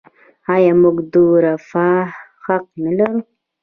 آیا موږ د رفاه حق نلرو؟